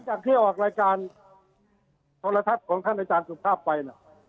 จากที่ออกรายการโทรทัศน์ของท่านอาจารย์สุภาพไปนะ